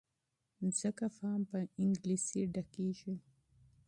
ځکه فارم په انګلیسي ډکیږي.